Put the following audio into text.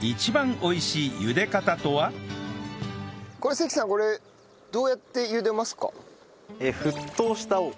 関さんこれどうやってゆでますか？